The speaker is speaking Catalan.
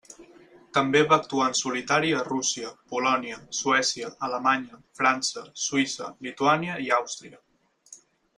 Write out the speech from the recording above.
També va actuar en solitari a Rússia, Polònia, Suècia, Alemanya, França, Suïssa, Lituània i Àustria.